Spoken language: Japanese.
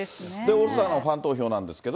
オールスターのファン投票なんですけど。